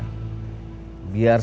biar skenario yang kita main dulu